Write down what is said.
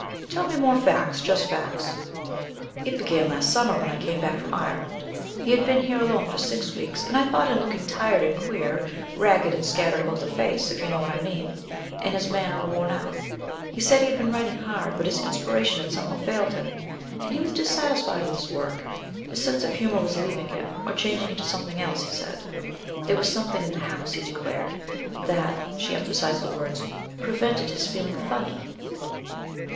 "Tell me more facts just facts." "It began last summer when I came back from Ireland; he had been here alone for six weeks, and I thought him looking tired and queer ragged and scattered about the face, if you know what I mean, and his manner worn out. He said he had been writing hard, but his inspiration had somehow failed him, and he was dissatisfied with his work. His sense of humour was leaving him, or changing into something else, he said. There was something in the house, he declared, that" she emphasized the words "prevented his feeling funny."